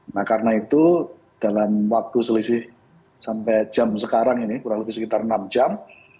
nah karena itu dalam waktu selisih sampai jam sekarang ini kurang lebih sekitar enam jam